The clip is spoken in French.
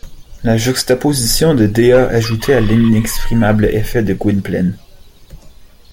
La juxtaposition de Dea ajoutait à l’inexprimable effet de Gwynplaine.